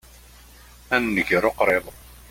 A nnger uqriḍ!